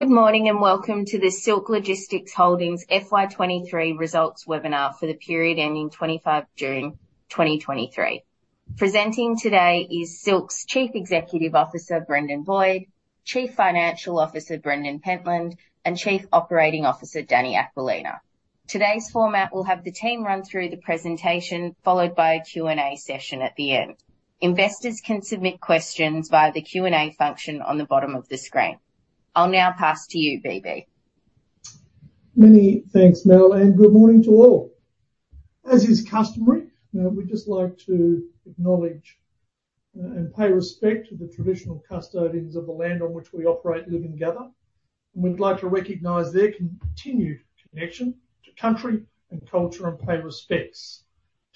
Good morning, and welcome to the Silk Logistics Holdings FY23 results webinar for the period ending 25 June, 2023. Presenting today is Silk's Chief Executive Officer, Brendan Boyd; Chief Financial Officer, Brendan Pentland; and Chief Operating Officer, Dani Aquilina. Today's format will have the team run through the presentation, followed by a Q&A session at the end. Investors can submit questions via the Q&A function on the bottom of the screen. I'll now pass to you, BB. Many thanks, Mel, and good morning to all. As is customary, we'd just like to acknowledge and pay respect to the traditional custodians of the land on which we operate, live, and gather. We'd like to recognize their continued connection to country and culture, and pay respects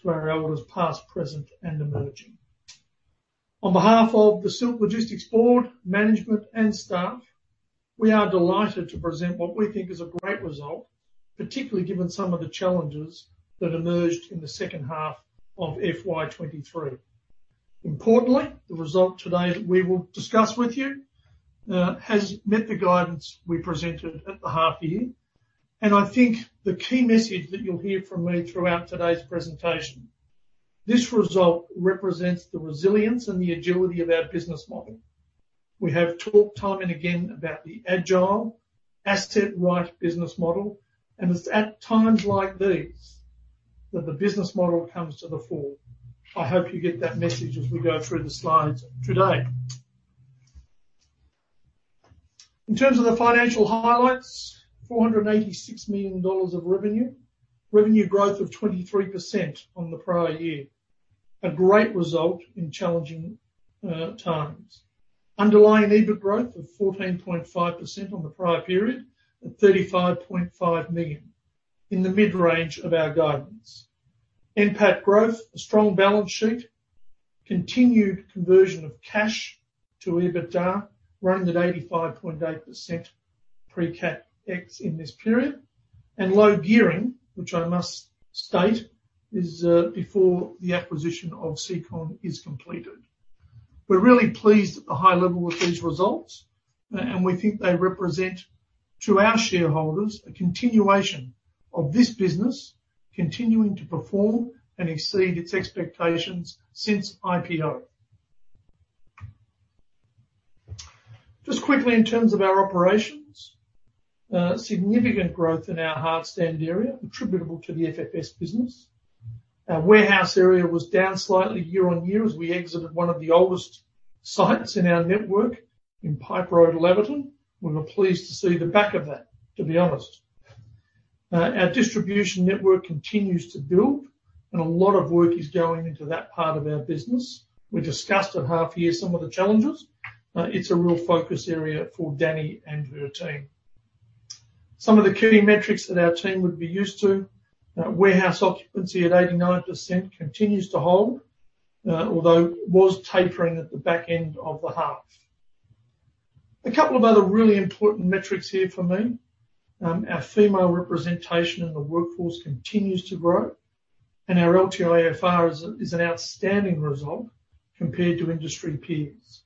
to our elders, past, present, and emerging. On behalf of the Silk Logistics board, management, and staff, we are delighted to present what we think is a great result, particularly given some of the challenges that emerged in the second half of FY23. Importantly, the result today that we will discuss with you has met the guidance we presented at the half year. I think the key message that you'll hear from me throughout today's presentation, this result represents the resilience and the agility of our business model. We have talked time and again about the agile asset-light business model. It's at times like these that the business model comes to the fore. I hope you get that message as we go through the slides today. In terms of the financial highlights, 486 million dollars of revenue. Revenue growth of 23% on the prior year. A great result in challenging times. Underlying EBIT growth of 14.5% on the prior period, at 35.5 million, in the mid-range of our guidance. NPAT growth, a strong balance sheet, continued conversion of cash to EBITDA, around at 85.8% pre-CapEx in this period. Low gearing, which I must state is before the acquisition of Secon is completed. We're really pleased at the high level with these results, we think they represent to our shareholders, a continuation of this business continuing to perform and exceed its expectations since IPO. Just quickly, in terms of our operations, significant growth in our hardstand area, attributable to the FFS business. Our warehouse area was down slightly year-on-year as we exited one of the oldest sites in our network in Pipe Road, Laverton. We were pleased to see the back of that, to be honest. Our distribution network continues to build, a lot of work is going into that part of our business. We discussed at half year some of the challenges, it's a real focus area for Dani and her team. Some of the key metrics that our team would be used to, warehouse occupancy at 89% continues to hold, although it was tapering at the back end of the half. A couple of other really important metrics here for me, our female representation in the workforce continues to grow, and our LTIFR is, is an outstanding result compared to industry peers.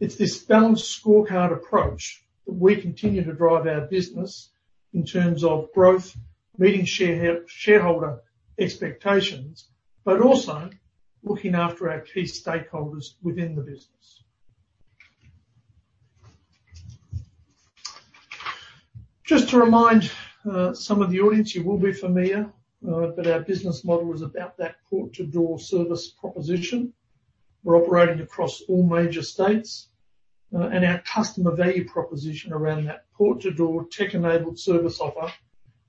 It's this balanced scorecard approach that we continue to drive our business in terms of growth, meeting shareholder expectations, but also looking after our key stakeholders within the business. Just to remind, some of the audience, you will be familiar, but our business model is about that port-to-door service proposition. We're operating across all major states, and our customer value proposition around that port-to-door tech-enabled service offer,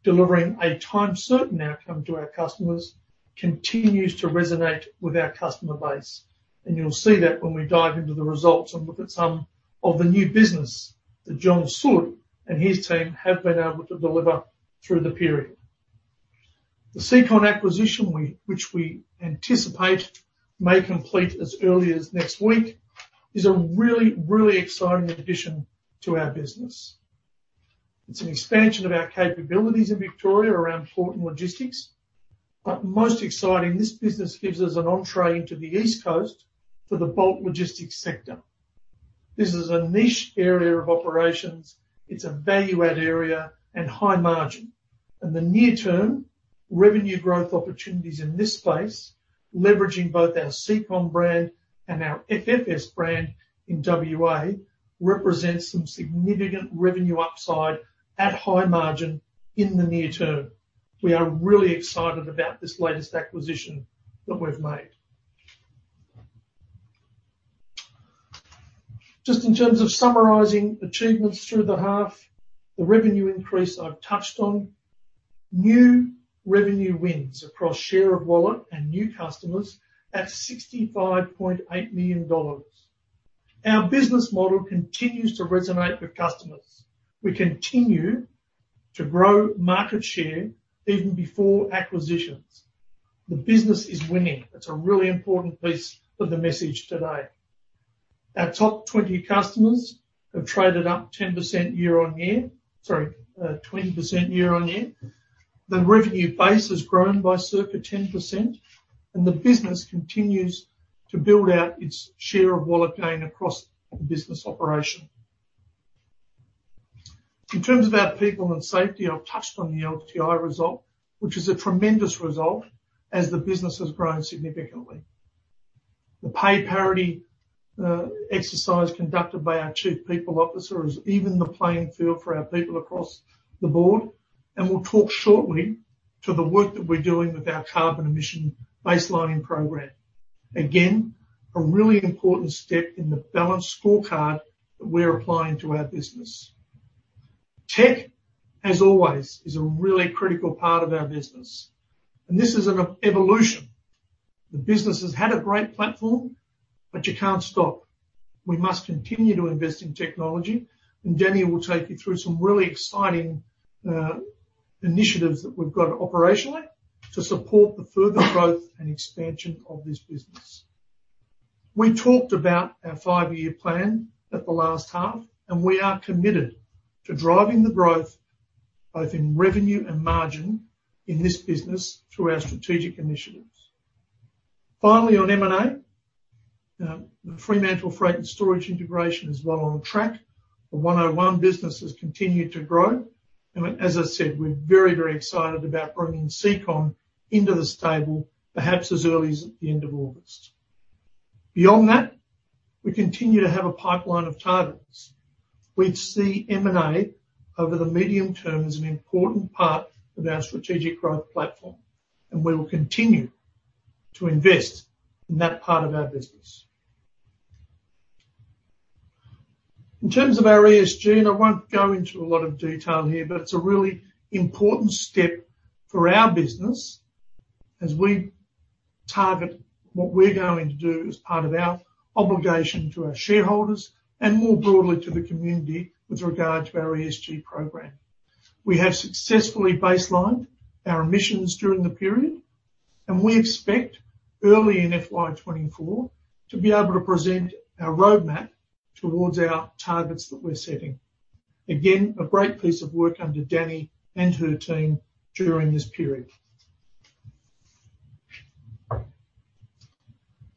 delivering a time-certain outcome to our customers, continues to resonate with our customer base. You'll see that when we dive into the results and look at some of the new business that John Sood and his team have been able to deliver through the period. The Secon acquisition, we, which we anticipate may complete as early as next week, is a really, really exciting addition to our business. It's an expansion of our capabilities in Victoria around port and logistics. Most exciting, this business gives us an entree into the East Coast for the bulk logistics sector. This is a niche area of operations, it's a value-add area and high margin. In the near term, revenue growth opportunities in this space, leveraging both our Secon brand and our FFS brand in WA, represents some significant revenue upside at high margin in the near term. We are really excited about this latest acquisition that we've made. Just in terms of summarizing achievements through the half, the revenue increase I've touched on. New revenue wins across share of wallet and new customers at 65.8 million dollars. Our business model continues to resonate with customers. We continue to grow market share even before acquisitions. The business is winning. That's a really important piece of the message today. Our top 20 customers have traded up 10% year-on-year. Sorry, 20% year-on-year. The revenue base has grown by circa 10%, and the business continues to build out its share of wallet gain across the business operation. In terms of our people and safety, I've touched on the LTI result, which is a tremendous result as the business has grown significantly. The pay parity exercise conducted by our Chief People Officer has evened the playing field for our people across the board. We'll talk shortly to the work that we're doing with our carbon emission baselining program. Again, a really important step in the balanced scorecard that we're applying to our business. Tech, as always, is a really critical part of our business. This is an e-evolution. The business has had a great platform. You can't stop. We must continue to invest in technology. Dani will take you through some really exciting initiatives that we've got operationally to support the further growth and expansion of this business. We talked about our five-year plan at the last half. We are committed to driving the growth, both in revenue and margin in this business through our strategic initiatives. Finally, on M&A, the Fremantle Freight & Storage integration is well on track. The 101 Warehousing business has continued to grow, and as I said, we're very, very excited about bringing Secon into the stable, perhaps as early as at the end of August. Beyond that, we continue to have a pipeline of targets. We'd see M&A over the medium term as an important part of our strategic growth platform, and we will continue to invest in that part of our business. In terms of our ESG, and I won't go into a lot of detail here, but it's a really important step for our business as we target what we're going to do as part of our obligation to our shareholders and more broadly to the community with regard to our ESG program. We have successfully baselined our emissions during the period. We expect early in FY24 to be able to present our roadmap towards our targets that we're setting. Again, a great piece of work under Dani and her team during this period.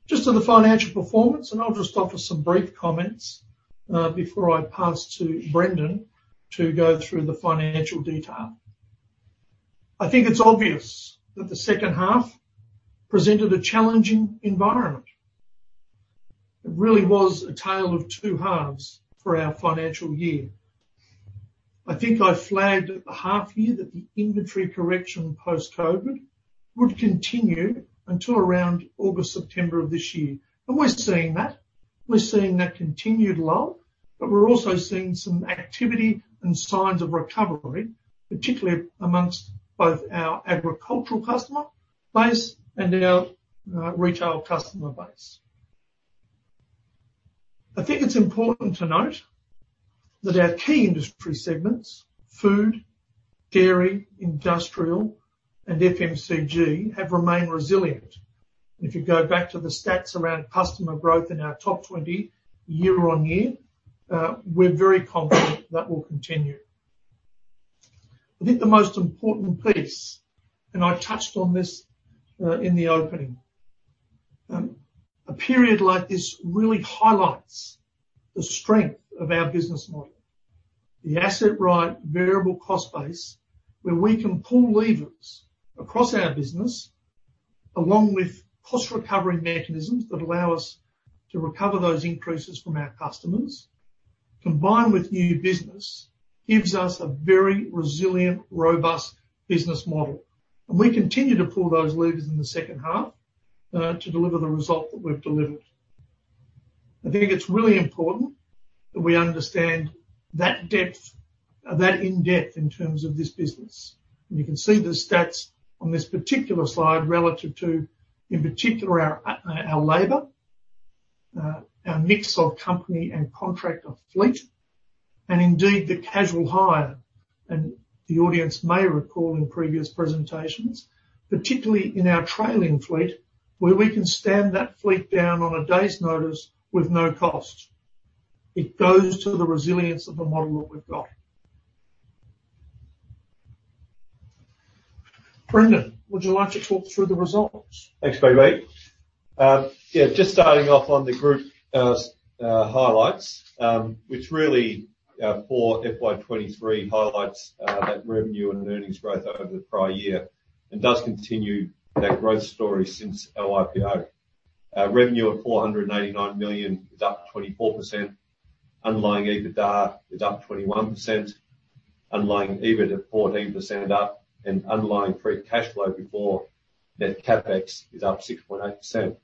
Just on the financial performance, I'll just offer some brief comments before I pass to Brendan to go through the financial detail. I think it's obvious that the second half presented a challenging environment. It really was a tale of two halves for our financial year. I think I flagged at the half year that the inventory correction post-COVID would continue until around August, September of this year. We're seeing that. We're seeing that continued lull. We're also seeing some activity and signs of recovery, particularly amongst both our agricultural customer base and in our retail customer base. I think it's important to note that our key industry segments: food, dairy, industrial, and FMCG, have remained resilient. If you go back to the stats around customer growth in our top 20 year-over-year, we're very confident that will continue. I think the most important piece, and I touched on this in the opening, a period like this really highlights the strength of our business model. The asset right variable cost base, where we can pull levers across our business, along with cost recovery mechanisms that allow us to recover those increases from our customers, combined with new business, gives us a very resilient, robust business model, and we continue to pull those levers in the second half to deliver the result that we've delivered. I think it's really important that we understand that depth, that in-depth in terms of this business. You can see the stats on this particular slide relative to, in particular, our labor, our mix of company and contractor fleet, and indeed, the casual hire. The audience may recall in previous presentations, particularly in our trailing fleet, where we can stand that fleet down on a day's notice with no cost. It goes to the resilience of the model that we've got. Brendan, would you like to talk through the results? Thanks, BB. Yeah, just starting off on the group highlights, which really, for FY23, highlights that revenue and earnings growth over the prior year and does continue that growth story since our IPO. Revenue at 489 million is up 24%. Underlying EBITDA is up 21%. Underlying EBIT at 14% up, and underlying free cash flow before net CapEx is up 6.8%.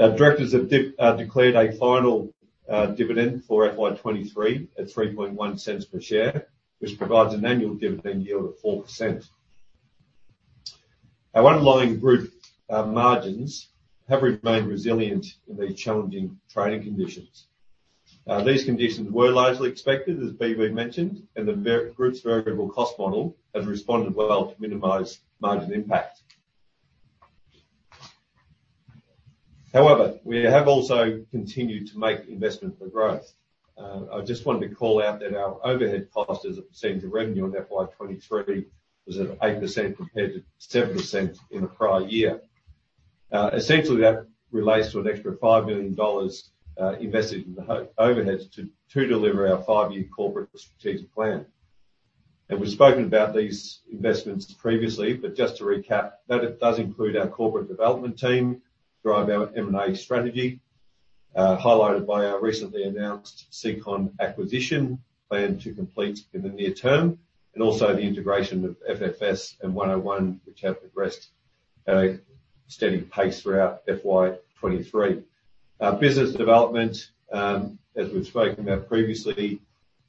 Our directors have declared a final dividend for FY23 at 0.031 per share, which provides an annual dividend yield of 4%. Our underlying group margins have remained resilient in these challenging trading conditions. These conditions were largely expected, as BB mentioned, and the group's variable cost model has responded well to minimize margin impact. However, we have also continued to make investment for growth. I just wanted to call out that our overhead costs as a percentage of revenue in FY23 was at 8% compared to 7% in the prior year. Essentially, that relates to an extra 5 million dollars, invested in the overheads to, to deliver our five-year corporate strategic plan. We've spoken about these investments previously, but just to recap, that it does include our corporate development team, drive our M&A strategy, highlighted by our recently announced Secon acquisition, planned to complete in the near term, and also the integration of FFS and 101, which have progressed at a steady pace throughout FY23. Our business development, as we've spoken about previously,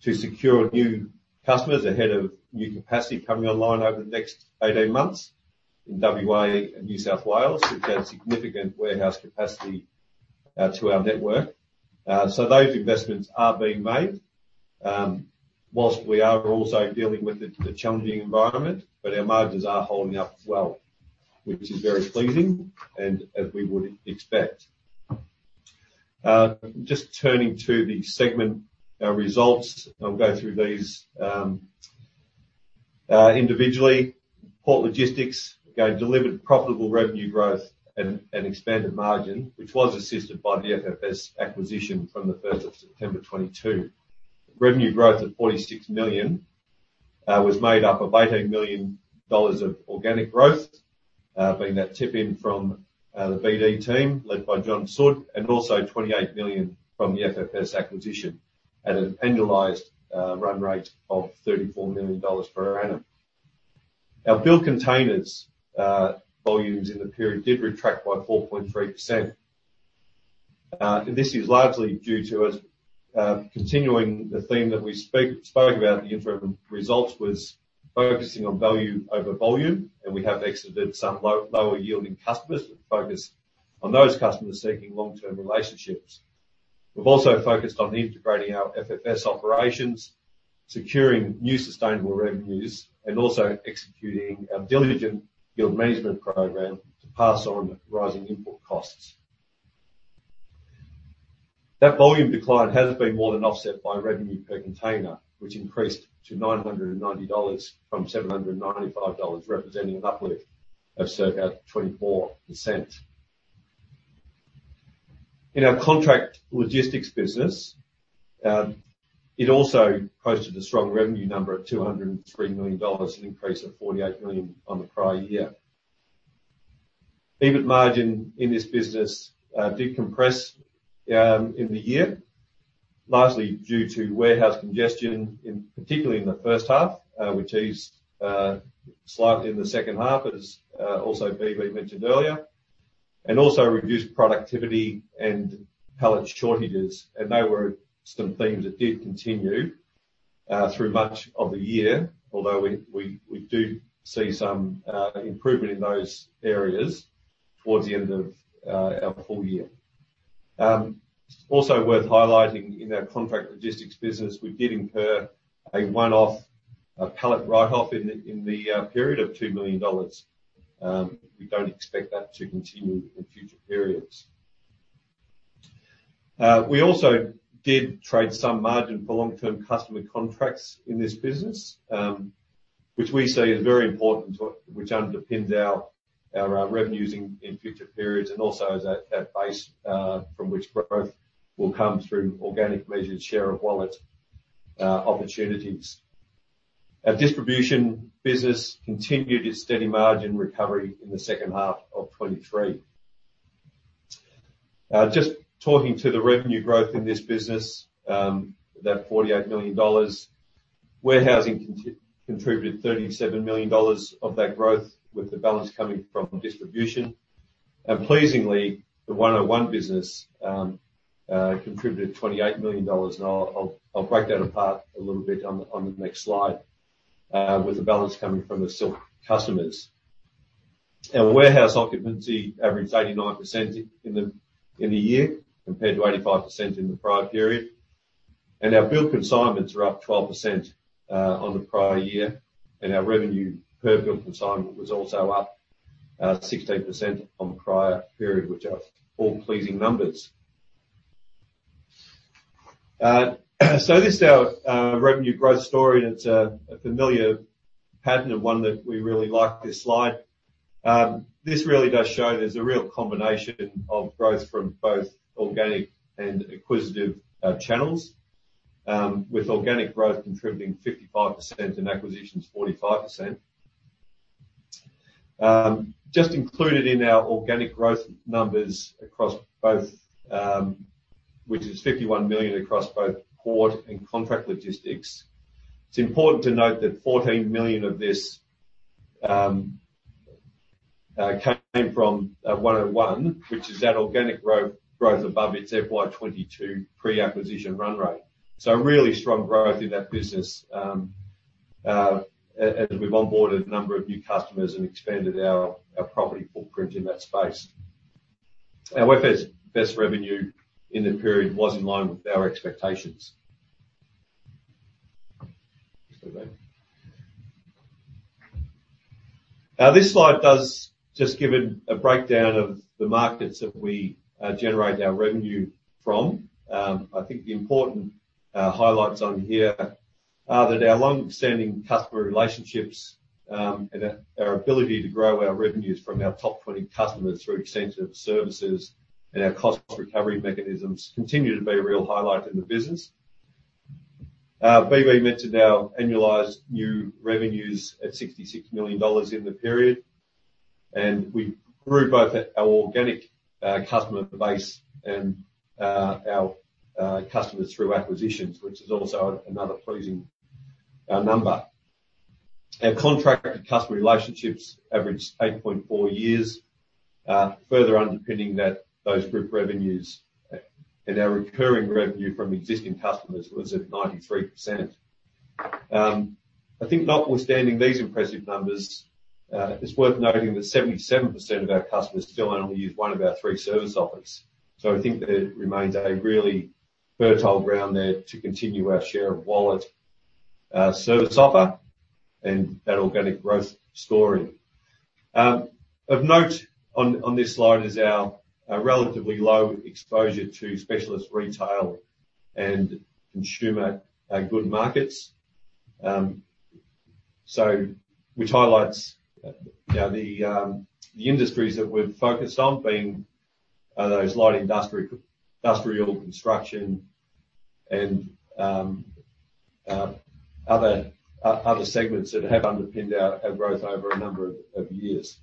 to secure new customers ahead of new capacity coming online over the next 18 months in WA and New South Wales, which add significant warehouse capacity to our network. Those investments are being made, whilst we are also dealing with the challenging environment, but our margins are holding up well, which is very pleasing and as we would expect. Just turning to the segment results, I'll go through these individually. Port Logistics, again, delivered profitable revenue growth and expanded margin, which was assisted by the FFS acquisition from the 1st of September 2022. Revenue growth at 46 million was made up of 18 million dollars of organic growth, being that tip in from the BD team, led by John Sood, and also 28 million from the FFS acquisition at an annualized run rate of 34 million dollars per annum. Our billed containers volumes in the period did retract by 4.3%. This is largely due to us continuing the theme that we spoke about in the interim results, was focusing on value over volume. We have exited some lower-yielding customers and focused on those customers seeking long-term relationships. We've also focused on integrating our FFS operations, securing new sustainable revenues, and also executing our diligent yield management program to pass on the rising input costs. That volume decline has been more than offset by revenue per container, which increased to 990 dollars from 795 dollars, representing an uplift of circa 24%. In our Contract Logistics business, it also posted a strong revenue number of 203 million dollars, an increase of 48 million on the prior year. EBIT margin in this business did compress in the year, largely due to warehouse congestion, in particular in the first half, which eased slightly in the second half, as also BB mentioned earlier, and also reduced productivity and pallet shortages. They were some themes that did continue through much of the year, although we, we, we do see some improvement in those areas towards the end of our full year. Also worth highlighting in our Contract Logistics business, we did incur a one-off pallet write-off in the, in the period of 2 million dollars. We don't expect that to continue in future periods. We also did trade some margin for long-term customer contracts in this business, which we see as very important to which underpins our, our revenues in, in future periods, and also as a base from which growth will come through organic measured share of wallet opportunities. Our distribution business continued its steady margin recovery in the second half of 2023. Just talking to the revenue growth in this business, that 48 million dollars, warehousing contributed 37 million dollars of that growth, with the balance coming from distribution. Pleasingly, the 101 Warehousing business contributed 28 million dollars, and I'll, I'll, I'll break that apart a little bit on the next slide, with the balance coming from the Silk customers. Our warehouse occupancy averaged 89% in the year, compared to 85% in the prior period, and our billed consignments were up 12% on the prior year, and our revenue per billed consignment was also up 16% on the prior period, which are all pleasing numbers. This is our revenue growth story, and it's a familiar pattern of one that we really like, this slide. This really does show there's a real combination of growth from both organic and acquisitive channels, with organic growth contributing 55% and acquisitions 45%. Just included in our organic growth numbers across both, which is 51 million across both port and Contract Logistics. It's important to note that 14 million of this came from 101 Warehousing, which is that organic growth above its FY22 pre-acquisition run rate. A really strong growth in that business as we've onboarded a number of new customers and expanded our, our property footprint in that space. Our Fremantle Freight & Storage revenue in the period was in line with our expectations. This slide does just give a breakdown of the markets that we generate our revenue from. I think the important highlights on here are that our long-standing customer relationships, and our, our ability to grow our revenues from our top 20 customers through extensive services and our cost recovery mechanisms continue to be a real highlight in the business. BB mentioned our annualized new revenues at 66 million dollars in the period, and we grew both our organic customer base and our customers through acquisitions, which is also another pleasing number. Our contract and customer relationships averaged 8.4 years, further underpinning that those group revenues, and our recurring revenue from existing customers was at 93%. I think notwithstanding these impressive numbers, it's worth noting that 77% of our customers still only use 1 of our 3 service offers. I think there remains a really fertile ground there to continue our share of wallet, service offer, and that organic growth story. Of note on, on this slide is our, our relatively low exposure to specialist retail and consumer goods markets. So which highlights, you know, the industries that we've focused on being, those light industrial, industrial construction, and other segments that have underpinned our growth over a number of years.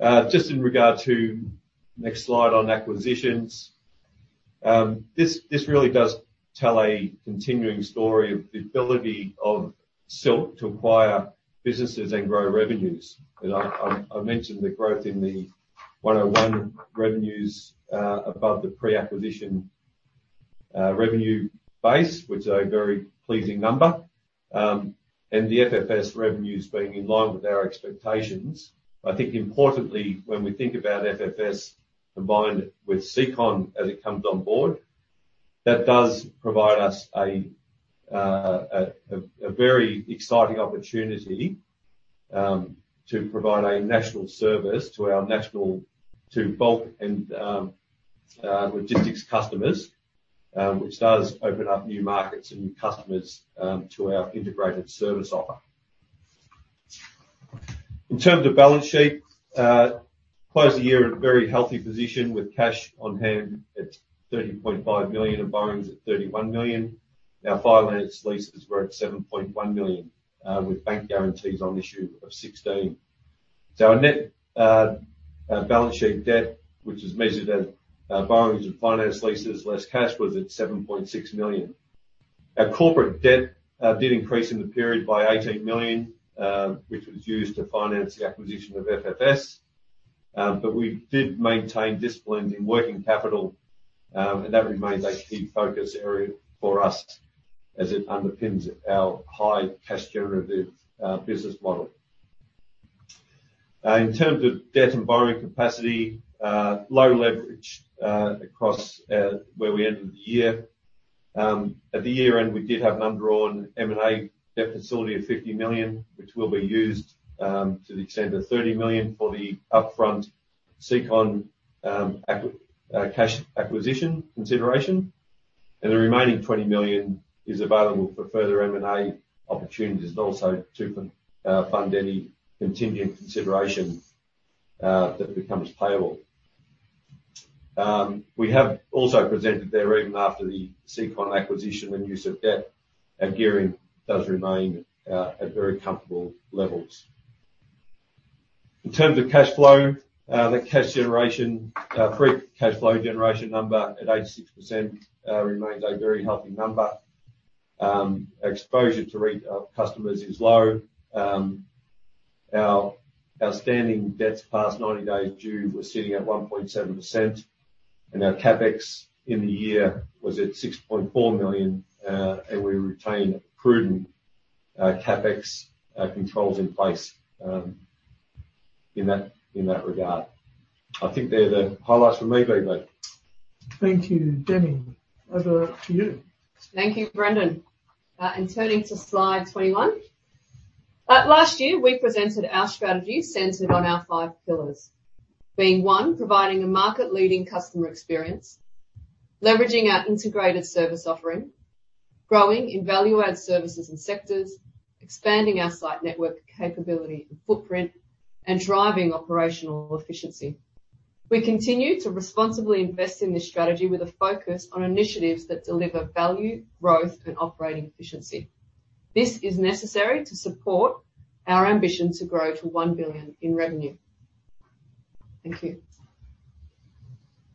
Just in regard to next slide on acquisitions, this, this really does tell a continuing story of the ability of Silk to acquire businesses and grow revenues. And I, I, I mentioned the growth in the 101 Warehousing revenues above the pre-acquisition revenue base, which is a very pleasing number. And the FFS revenues being in line with our expectations. I think importantly, when we think about FFS combined with Secon as it comes on board, that does provide us a very exciting opportunity to provide a national service to bulk and logistics customers, which does open up new markets and new customers to our integrated service offer. In terms of balance sheet, closed the year at a very healthy position, with cash on hand at 30.5 million, and borrowings at 31 million. Our finance leases were at 7.1 million, with bank guarantees on issue of 16 million. Our net balance sheet debt, which is measured as borrowings and finance leases less cash, was at 7.6 million. Our corporate debt did increase in the period by 18 million which was used to finance the acquisition of FFS. We did maintain discipline in working capital and that remains a key focus area for us as it underpins our high cash generative business model. In terms of debt and borrowing capacity, low leverage across where we ended the year. At the year-end, we did have an undrawn M&A debt facility of 50 million which will be used to the extent of 30 million for the upfront Secon cash acquisition consideration, and the remaining 20 million is available for further M&A opportunities, and also to fun fund any contingent consideration that becomes payable. We have also presented there, even after the Secon acquisition and use of debt, our gearing does remain at very comfortable levels. In terms of cash flow, the cash generation, free cash flow generation number at 86% remains a very healthy number. Exposure to customers is low. Our outstanding debts past 90 days due, was sitting at 1.7%, and our CapEx in the year was at 6.4 million, and we retain prudent CapEx controls in place in that, in that regard. I think they're the highlights for me, BB. Thank you. Dani, over to you. Thank you, Brendan. Turning to slide 21. Last year, we presented our strategy centered on our five pillars, being: 1, providing a market-leading customer experience, leveraging our integrated service offering, growing in value-add services and sectors, expanding our site network capability and footprint, and driving operational efficiency. We continue to responsibly invest in this strategy with a focus on initiatives that deliver value, growth, and operating efficiency. This is necessary to support our ambition to grow to 1 billion in revenue. Thank you.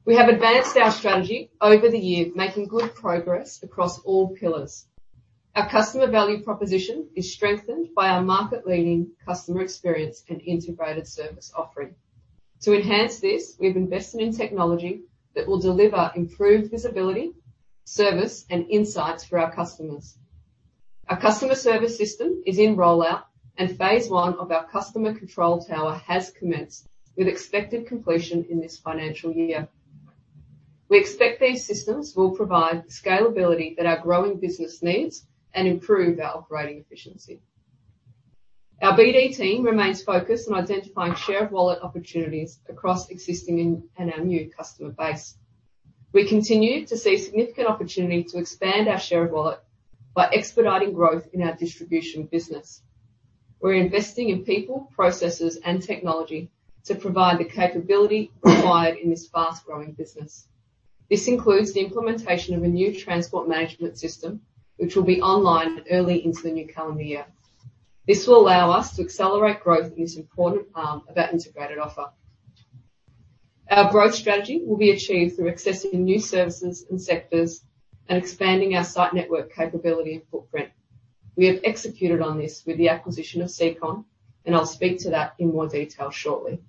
We have advanced our strategy over the year, making good progress across all pillars. Our customer value proposition is strengthened by our market-leading customer experience and integrated service offering. To enhance this, we've invested in technology that will deliver improved visibility, service, and insights for our customers. Our customer service system is in rollout, phase one of our customer Control Tower has commenced, with expected completion in this financial year. We expect these systems will provide the scalability that our growing business needs and improve our operating efficiency. Our BD team remains focused on identifying share of wallet opportunities across existing and our new customer base. We continue to see significant opportunity to expand our share of wallet by expediting growth in our distribution business. We're investing in people, processes, and technology to provide the capability required in this fast-growing business. This includes the implementation of a new transport management system, which will be online early into the new calendar year. This will allow us to accelerate growth in this important arm of our integrated offer. Our growth strategy will be achieved through accessing new services and sectors and expanding our site network capability and footprint. We have executed on this with the acquisition of Secon. I'll speak to that in more detail shortly.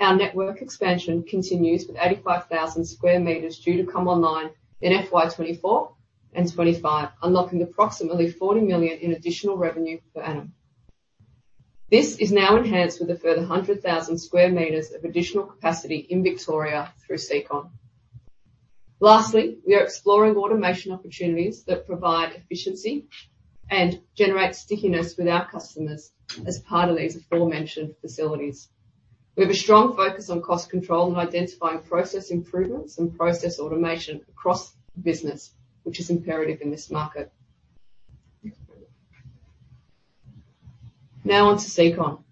Our network expansion continues, with 85,000 sq meters due to come online in FY24 and FY25, unlocking approximately 40 million in additional revenue per annum. This is now enhanced with a further 100,000 sq meters of additional capacity in Victoria through Secon. We are exploring automation opportunities that provide efficiency and generate stickiness with our customers as part of these aforementioned facilities. We have a strong focus on cost control and identifying process improvements and process automation across the business, which is imperative in this market. Now on to Secon.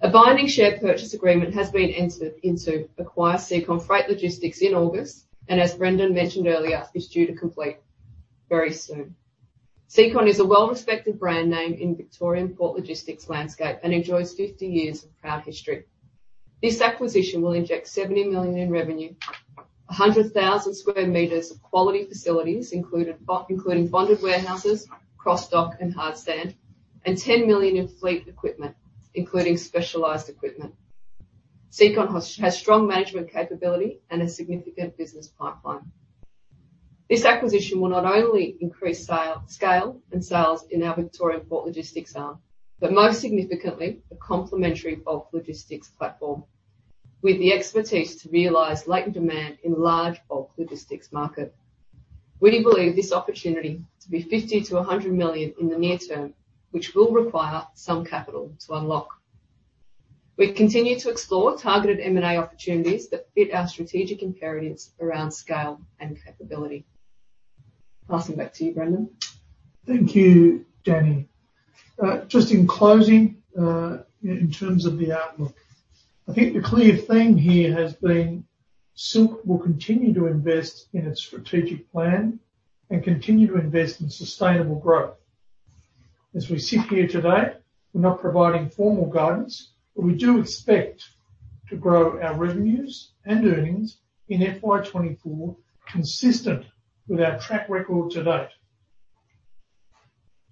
A binding share purchase agreement has been entered into acquire Secon Freight Logistics in August, and as Brendan mentioned earlier, is due to complete very soon. Secon is a well-respected brand name in Victorian port logistics landscape and enjoys 50 years of proud history. This acquisition will inject 70 million in revenue, 100,000 square meters of quality facilities, including bonded warehouses, cross-dock, and hardstand, and 10 million in fleet equipment, including specialized equipment. Secon has strong management capability and a significant business pipeline. This acquisition will not only increase scale and sales in our Victorian port logistics arm, but most significantly, a complementary bulk logistics platform, with the expertise to realize latent demand in large bulk logistics market. We believe this opportunity to be 50 million-100 million in the near term, which will require some capital to unlock. We continue to explore targeted M&A opportunities that fit our strategic imperatives around scale and capability. Passing back to you, Brendan. Thank you, Dani. Just in closing, in terms of the outlook, I think the clear theme here has been Silk will continue to invest in its strategic plan and continue to invest in sustainable growth. As we sit here today, we're not providing formal guidance, we do expect to grow our revenues and earnings in FY24, consistent with our track record to date.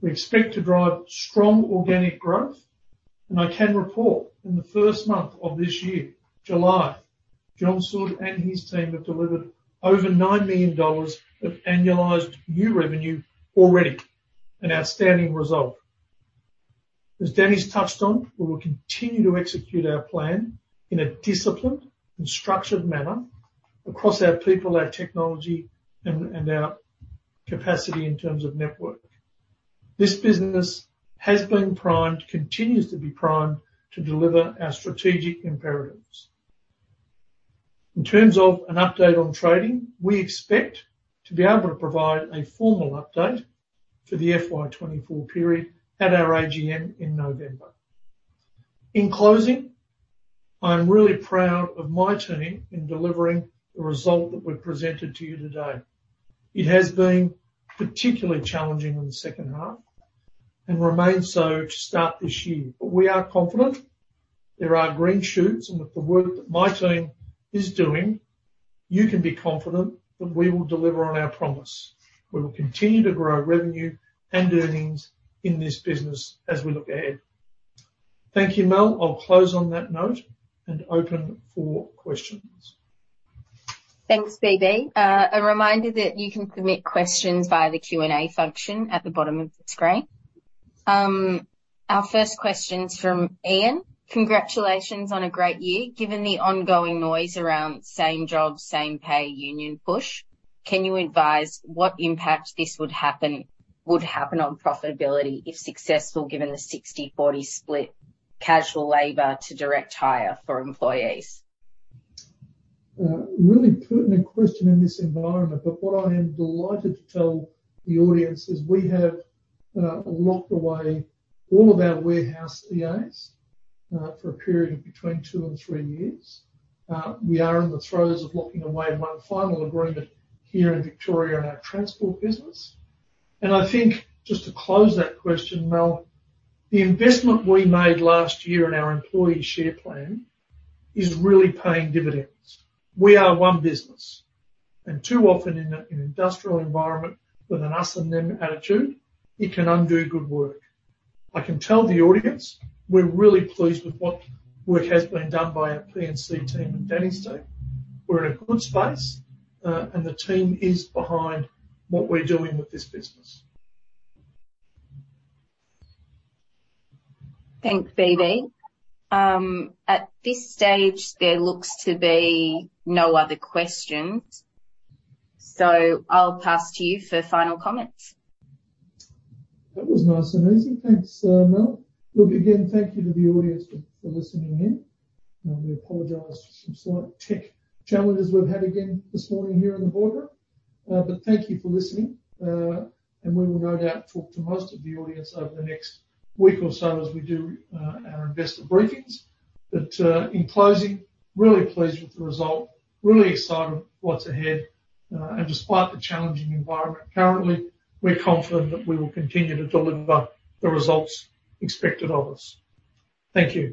We expect to drive strong organic growth, I can report in the first month of this year, July, John Sood and his team have delivered over $9 million of annualized new revenue already, an outstanding result. As Dani's touched on, we will continue to execute our plan in a disciplined and structured manner across our people, our technology, and our capacity in terms of network. This business has been primed, continues to be primed, to deliver our strategic imperatives. In terms of an update on trading, we expect to be able to provide a formal update for the FY24 period at our AGM in November. In closing, I'm really proud of my team in delivering the result that we've presented to you today. It has been particularly challenging in the second half and remains so to start this year. We are confident there are green shoots, and with the work that my team is doing, you can be confident that we will deliver on our promise. We will continue to grow revenue and earnings in this business as we look ahead. Thank you, Mel. I'll close on that note and open for questions. Thanks, BB. A reminder that you can submit questions via the Q&A function at the bottom of the screen. Our first question is from Ian: Congratulations on a great year. Given the ongoing noise around Same Job, Same Pay union push, can you advise what impact this would happen on profitability if successful, given the 60/40 split casual labor to direct hire for employees? Really pertinent question in this environment, but what I am delighted to tell the audience is we have locked away all of our warehouse EAs for a period of between two and three years. We are in the throes of locking away one final agreement here in Victoria, in our transport business. I think just to close that question, Mel, the investment we made last year in our employee share plan is really paying dividends. We are one business, and too often in a, an industrial environment, with an us and them attitude, it can undo good work. I can tell the audience, we're really pleased with what work has been done by our P&C team and Dani's team. We're in a good space, and the team is behind what we're doing with this business. Thanks, BB. At this stage, there looks to be no other questions, so I'll pass to you for final comments. That was nice and easy. Thanks, Mel. Look, again, thank you to the audience for, for listening in. We apologize for some slight tech challenges we've had again this morning here in the boardroom. Thank you for listening, and we will no doubt talk to most of the audience over the next week or so as we do our investor briefings. In closing, really pleased with the result, really excited with what's ahead, and despite the challenging environment currently, we're confident that we will continue to deliver the results expected of us. Thank you.